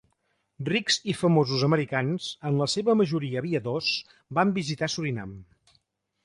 Rics i famosos americans, en la seva majoria aviadors, van visitar Surinam.